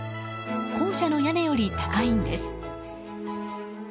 校舎の屋根より高いんです。